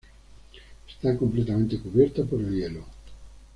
Está completamente cubierta por el hielo.